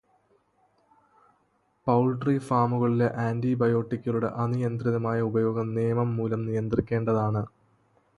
Poultry ഫാമുകളിലെ ആന്റിബയോട്ടിക്കുകളുടെ അനിയന്ത്രിതമായ ഉപയോഗം നിയമം മൂലം നിയന്ത്രിക്കേണ്ടതാണ്.